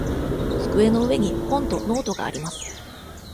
机の上に本とノートがあります。